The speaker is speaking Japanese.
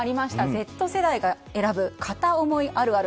Ｚ世代が選ぶ片思いあるある